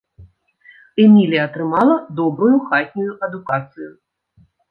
Эмілія атрымала добрую хатнюю адукацыю.